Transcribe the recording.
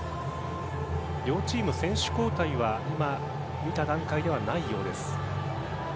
両チーム、選手交代は今、見た段階ではないようです。